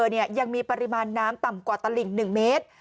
ยังมีปริมาณน้ำต่ำกว่าตลิ่ง๑เมตร